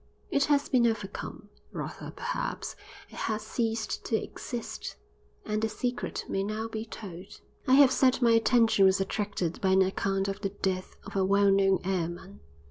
It has been overcome; rather, perhaps, it has ceased to exist; and the secret may now be told. I have said my attention was attracted by an account of the death of a well known airman.